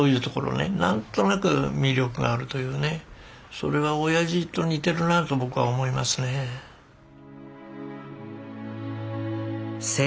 それは親父と似てるなと僕は思いますねぇ。